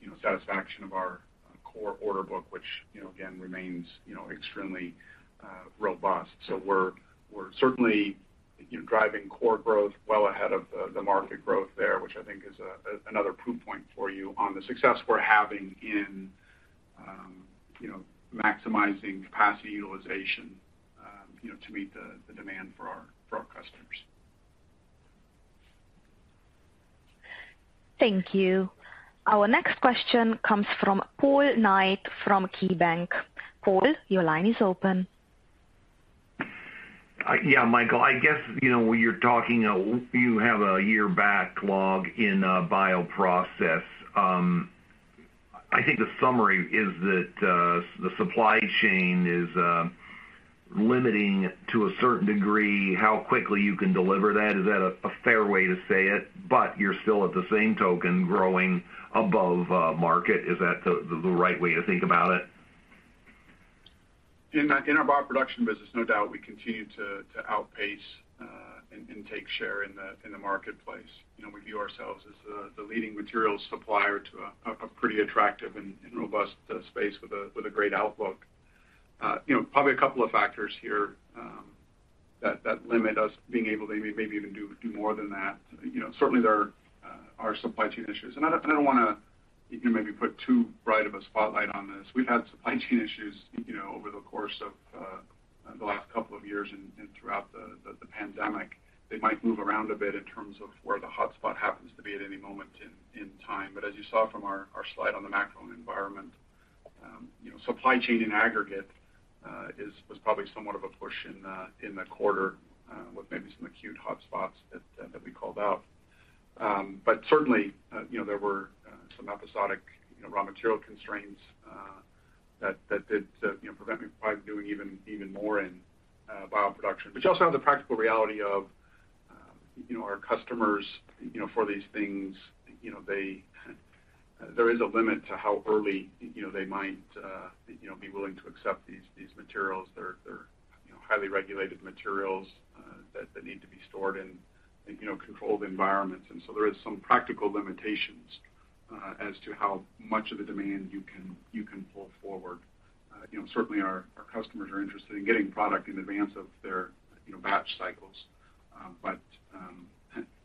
you know, satisfaction of our core order book, which, you know, again remains, you know, extremely robust. We're certainly, you know, driving core growth well ahead of the market growth there, which I think is a another proof point for you on the success we're having in, you know, maximizing capacity utilization, you know, to meet the demand for our customers. Thank you. Our next question comes from Paul Knight from KeyBank. Paul, your line is open. Michael, I guess, you know, when you're talking, you have a year backlog in bioprocess. I think the summary is that the supply chain is limiting to a certain degree how quickly you can deliver that. Is that a fair way to say it? You're still at the same time growing above market. Is that the right way to think about it? In our bioproduction business, no doubt we continue to outpace and take share in the marketplace. You know, we view ourselves as the leading materials supplier to a pretty attractive and robust space with a great outlook. You know, probably a couple of factors here that limit us being able to maybe even do more than that. You know, certainly there are supply chain issues. I don't wanna even maybe put too bright of a spotlight on this. We've had supply chain issues, you know, over the course of the last couple of years and throughout the pandemic. They might move around a bit in terms of where the hotspot happens to be at any moment in time. As you saw from our slide on the macro environment, you know, supply chain in aggregate was probably somewhat of a push in the quarter, with maybe some acute hotspots that we called out. But certainly, you know, there were some episodic, you know, raw material constraints that did, you know, prevent me probably doing even more in bioproduction. You also have the practical reality of, you know, our customers, you know, for these things, you know, there is a limit to how early, you know, they might, you know, be willing to accept these materials. They're, you know, highly regulated materials that need to be stored in, you know, controlled environments. There is some practical limitations as to how much of the demand you can pull forward. You know, certainly our customers are interested in getting product in advance of their you know batch cycles. But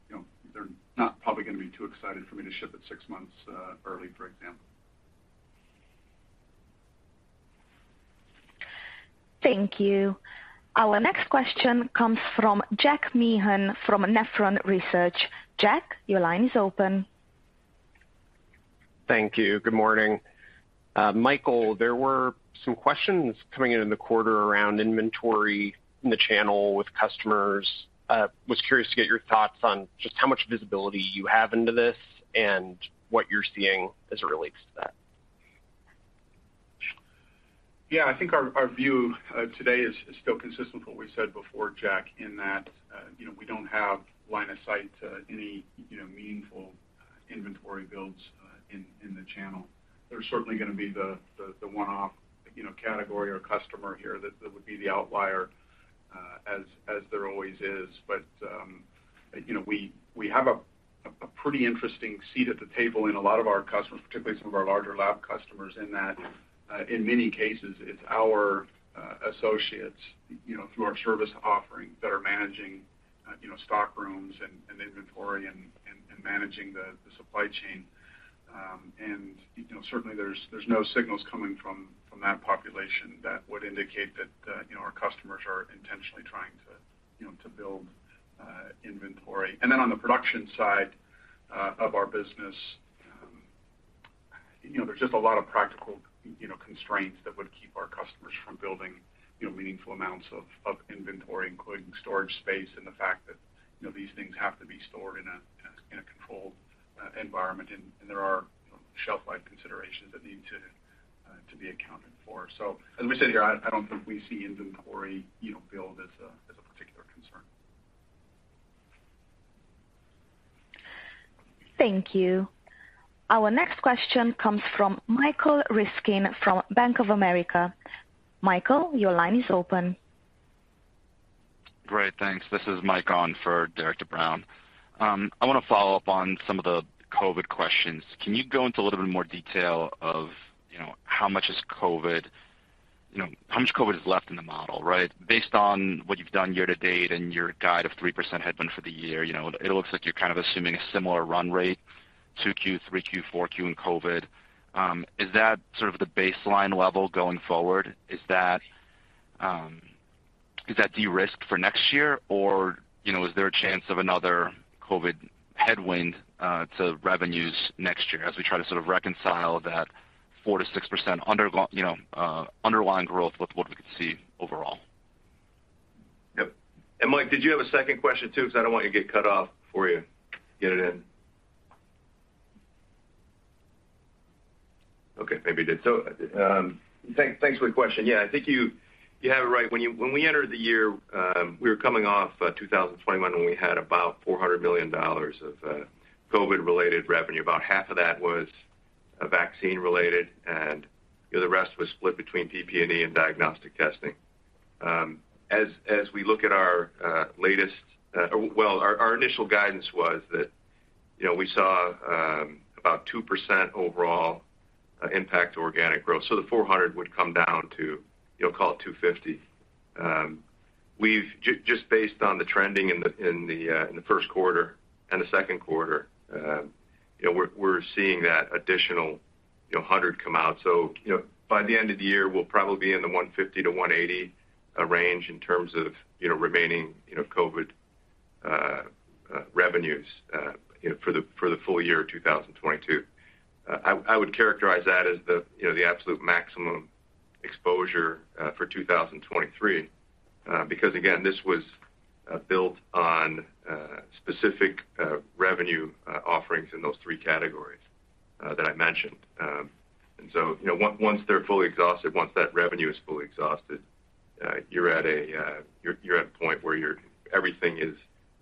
you know, they're not probably gonna be too excited for me to ship it 6 months early, for example. Thank you. Our next question comes from Jack Meehan from Nephron Research. Jack, your line is open. Thank you. Good morning. Michael, there were some questions coming in in the quarter around inventory in the channel with customers. Was curious to get your thoughts on just how much visibility you have into this and what you're seeing as it relates to that. Yeah. I think our view today is still consistent with what we said before, Jack, in that you know, we don't have line of sight to any you know, meaningful inventory builds in the channel. There's certainly gonna be the one-off you know, category or customer here that would be the outlier as there always is. You know, we have a pretty interesting seat at the table in a lot of our customers, particularly some of our larger lab customers, in that in many cases it's our associates you know, through our service offerings that are managing you know, stock rooms and inventory and managing the supply chain. You know, certainly there's no signals coming from that population that would indicate that you know our customers are intentionally trying to you know to build inventory. Then on the production side of our business, you know, there's just a lot of practical you know constraints that would keep our customers from building you know meaningful amounts of inventory, including storage space and the fact that you know these things have to be stored in a controlled environment. There are you know shelf life considerations that need to be accounted for. As we sit here, I don't think we see inventory you know build as a particular concern. Thank you. Our next question comes from Michael Ryskin from Bank of America. Michael, your line is open. Great. Thanks. This is Mike on for Derik De Bruin. I wanna follow up on some of the COVID questions. Can you go into a little bit more detail, you know, on how much COVID is left in the model, right? Based on what you've done year to date and your guide of 3% headwind for the year, you know, it looks like you're kind of assuming a similar run rate to Q3, Q4 in COVID. Is that sort of the baseline level going forward? Is that de-risked for next year? Or, you know, is there a chance of another COVID headwind to revenues next year as we try to sort of reconcile that 4%-6% underlying growth with what we could see overall? Yep. Mike, did you have a second question too, because I don't want you to get cut off before you get it in. Okay, maybe you did. Thanks for the question. Yeah. I think you have it right. When we entered the year, we were coming off 2021, when we had about $400 million of COVID related revenue. About half of that was vaccine related, and the rest was split between PP&E and diagnostic testing. As we look at our initial guidance, you know, we saw about 2% overall impact to organic growth. So the 400 would come down to, you know, call it 250. We've just based on the trending in the first quarter and the second quarter, you know, we're seeing that additional You know, 100 come out. By the end of the year, we'll probably be in the 150-180 range in terms of remaining COVID revenues for the full year of 2022. I would characterize that as the absolute maximum exposure for 2023, because again, this was built on specific revenue offerings in those three categories that I mentioned. And so, you know, once they're fully exhausted, once that revenue is fully exhausted, you're at a point where everything is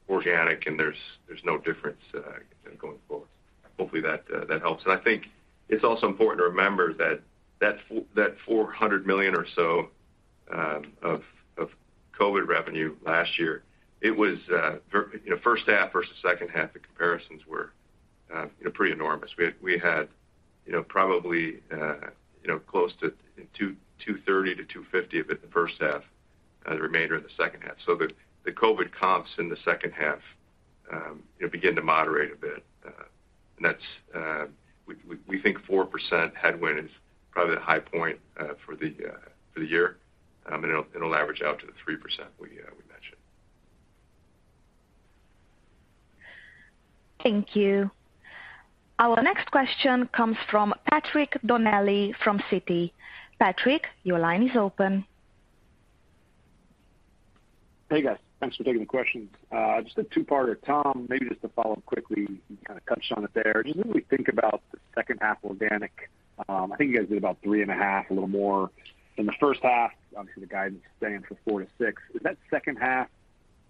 organic and there's no difference going forward. Hopefully that helps. I think it's also important to remember that $400 million or so of COVID revenue last year. It was, you know, first half versus second half. The comparisons were, you know, pretty enormous. We had, you know, probably close to $230 million-$250 million of it in the first half and the remainder in the second half. The COVID comps in the second half, you know, begin to moderate a bit. That's, we think 4% headwind is probably the high point for the year. It'll average out to the 3% we mentioned. Thank you. Our next question comes from Patrick Donnelly from Citi. Patrick, your line is open. Hey guys. Thanks for taking the questions. Just a 2-parter. Tom, maybe just to follow up quickly, you kinda touched on it there. Just when we think about the second half organic, I think you guys did about 3.5, a little more in the first half. Obviously, the guidance is saying for 4%-6%. Is that second half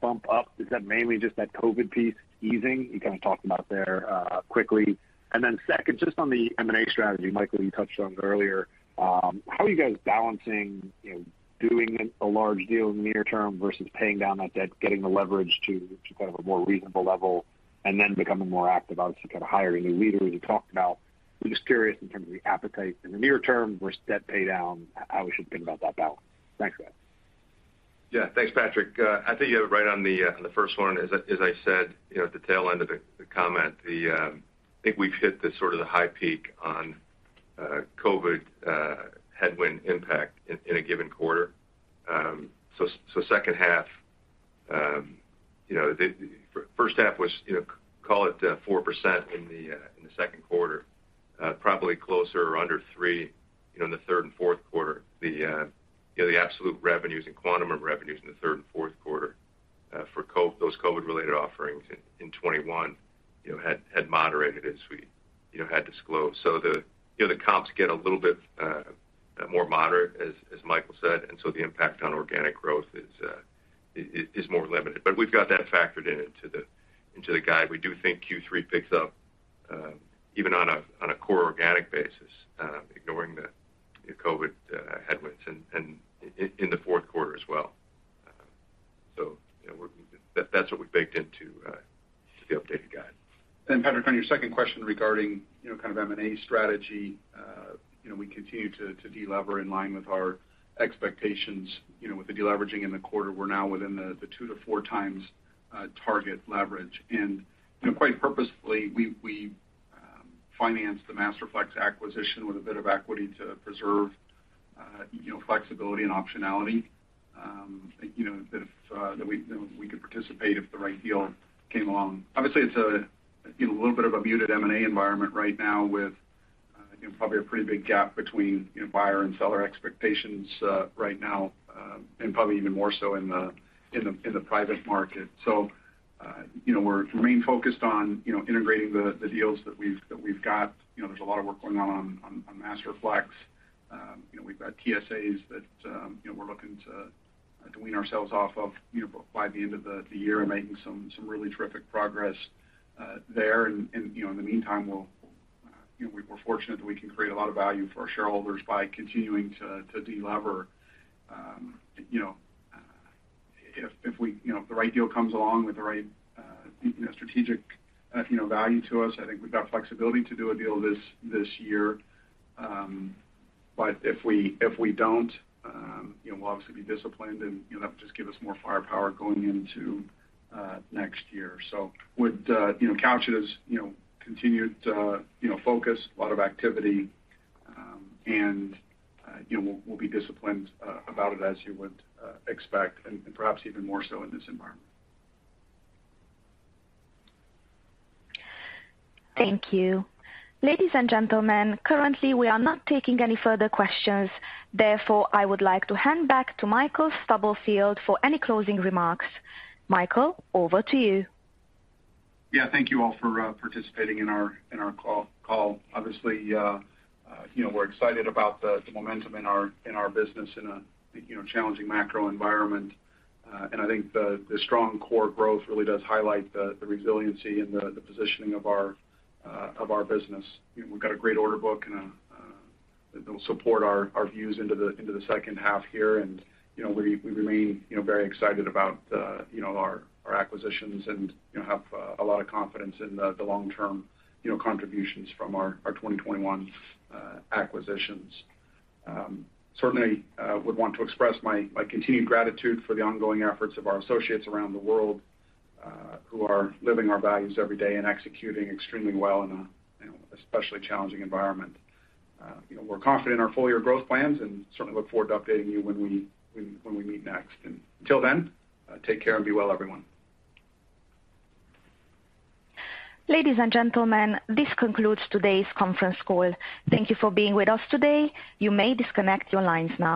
bump up, is that mainly just that COVID piece easing you kinda talked about there, quickly? And then second, just on the M&A strategy, Michael, you touched on it earlier. How are you guys balancing, you know, doing a large deal in the near term versus paying down that debt, getting the leverage to kind of a more reasonable level and then becoming more active, obviously kind of hiring new leaders you talked about? I'm just curious in terms of the appetite in the near term versus debt pay down, how we should think about that balance. Thanks, guys. Yeah. Thanks, Patrick. I think you're right on the first one. As I said, you know, at the tail end of the comment, I think we've hit the high peak on COVID headwind impact in a given quarter. Second half, you know, the first half was, you know, call it 4% in the second quarter, probably closer or under 3% in the third and fourth quarter. The absolute revenues and quantum of revenues in the third and fourth quarter for those COVID related offerings in 2021, you know, had moderated as we had disclosed. The comps get a little bit more moderate as Michael said, and the impact on organic growth is more limited. We've got that factored into the guide. We do think Q3 picks up even on a core organic basis, ignoring the COVID headwinds and in the fourth quarter as well. You know, that's what we baked into the updated guide. Patrick, on your second question regarding, you know, kind of M&A strategy, we continue to deleverage in line with our expectations. You know, with the deleveraging in the quarter, we're now within the 2-4 times target leverage. You know, quite purposefully, we financed the Masterflex acquisition with a bit of equity to preserve, you know, flexibility and optionality, you know, that we could participate if the right deal came along. Obviously, it's a little bit of a muted M&A environment right now with, you know, probably a pretty big gap between buyer and seller expectations right now, and probably even more so in the private market. You know, we remain focused on integrating the deals that we've got. You know, there's a lot of work going on Masterflex. You know, we've got TSAs that you know, we're looking to wean ourselves off of, you know, by the end of the year and making some really terrific progress there. You know, in the meantime, we'll you know, we're fortunate that we can create a lot of value for our shareholders by continuing to de-lever. You know, if we you know, if the right deal comes along with the right you know, strategic you know, value to us, I think we've got flexibility to do a deal this year. If we don't, you know, we'll obviously be disciplined and, you know, that'll just give us more firepower going into next year. We would, you know, couch it as, you know, continued, you know, focus, a lot of activity, and, you know, we'll be disciplined about it as you would expect and perhaps even more so in this environment. Thank you. Ladies and gentlemen, currently we are not taking any further questions. Therefore, I would like to hand back to Michael Stubblefield for any closing remarks. Michael, over to you. Yeah. Thank you all for participating in our call. Obviously, you know, we're excited about the momentum in our business in a, you know, challenging macro environment. I think the strong core growth really does highlight the resiliency and the positioning of our business. You know, we've got a great order book and that will support our views into the second half here. You know, we remain, you know, very excited about, you know, our acquisitions and, you know, have a lot of confidence in the long term, you know, contributions from our 2021 acquisitions. Certainly, would want to express my continued gratitude for the ongoing efforts of our associates around the world, who are living our values every day and executing extremely well in a, you know, especially challenging environment. You know, we're confident in our full year growth plans and certainly look forward to updating you when we meet next. Until then, take care and be well everyone. Ladies and gentlemen, this concludes today's conference call. Thank you for being with us today. You may disconnect your lines now.